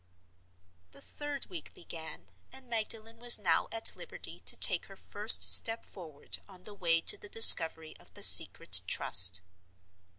The third week began, and Magdalen was now at liberty to take her first step forward on the way to the discovery of the Secret Trust.